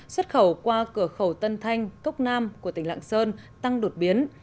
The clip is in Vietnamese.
xuất khẩu qua cửa khẩu tân thanh cốc nam của tỉnh lạng sơn tăng đột biến